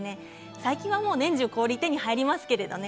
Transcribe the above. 最近はもう年中氷が手に入りますけどね